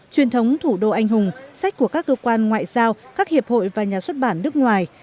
truyền thống thủ đô anh hùng sách của các cơ quan ngoại giao các hiệp hội và nhà xuất bản nước ngoài